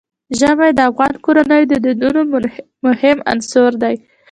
ژمی د افغان کورنیو د دودونو مهم عنصر دی.